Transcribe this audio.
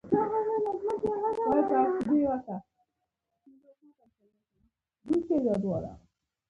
سیاسي پرېکړې د ډله ییزې تصمیم نیونې پر مټ ترسره کېدې.